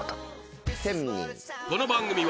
この番組は